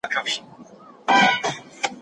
نهه جمع نهه؛ اتلس کېږي.